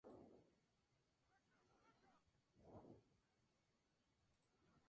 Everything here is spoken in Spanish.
Al eclosionar, sus larvas se desarrollan subsistiendo de esta planta.